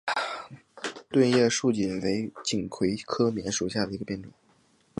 钝叶树棉为锦葵科棉属下的一个变种。